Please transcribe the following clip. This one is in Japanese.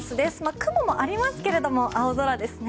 雲もありますけれど青空ですね。